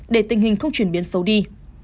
để tình hình không chuyển biến xấu đi